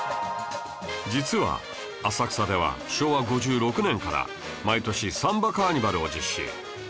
実は浅草では昭和５６年から毎年サンバカーニバルを実施